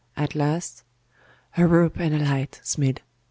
At last 'A rope and a light, Smid!